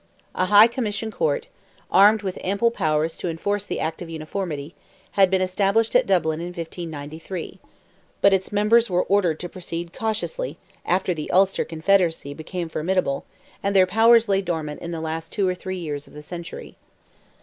A High Commission Court, armed with ample powers to enforce the Act of Uniformity, had been established at Dublin in 1593; but its members were ordered to proceed cautiously after the Ulster Confederacy became formidable, and their powers lay dormant in the last two or three years of the century.